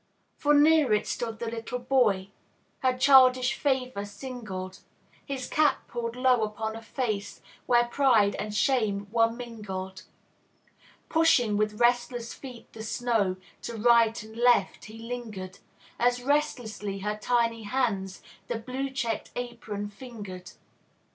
For near her stood the little boy Her childish favor singled: His cap pulled low upon a face Where pride and shame were mingled. Pushing with restless feet the snow To right and left, he lingered; As restlessly her tiny hands The blue checked apron fingered.